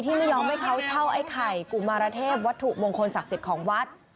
ไม่ยอมให้เขาเช่าไอ้ไข่กุมารเทพวัตถุมงคลศักดิ์สิทธิ์ของวัด